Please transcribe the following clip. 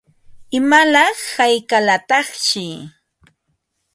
¿Imalaq hayqalataqshi?